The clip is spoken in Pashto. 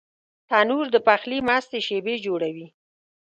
تنور د پخلي مستې شېبې جوړوي